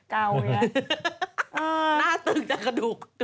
หน้าตึกจากกระดูก